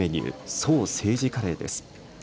そう、政治カレーです。